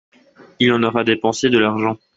il en aura dépensé de l'argent.